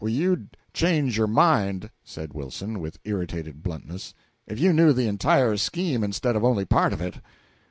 "You'd change your mind," said Wilson, with irritated bluntness, "if you knew the entire scheme instead of only part of it."